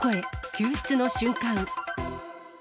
救出の瞬間。